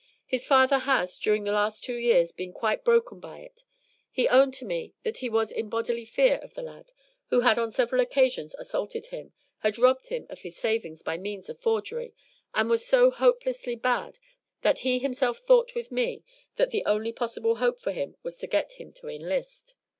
"His father has, during the last two years, been quite broken by it; he owned to me that he was in bodily fear of the lad, who had on several occasions assaulted him, had robbed him of his savings by means of forgery, and was so hopelessly bad that he himself thought with me that the only possible hope for him was to get him to enlist.